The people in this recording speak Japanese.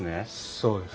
そうです。